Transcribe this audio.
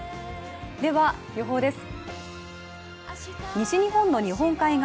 では、予報です。